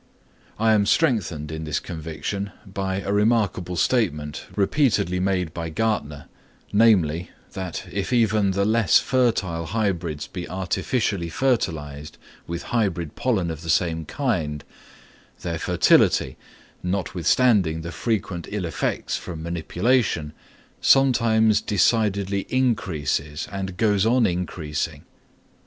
I am strengthened in this conviction by a remarkable statement repeatedly made by Gärtner, namely, that if even the less fertile hybrids be artificially fertilised with hybrid pollen of the same kind, their fertility, notwithstanding the frequent ill effects from manipulation, sometimes decidedly increases, and goes on increasing.